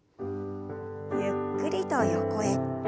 ゆっくりと横へ。